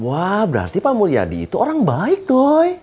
wah berarti pak mulyadi itu orang baik dong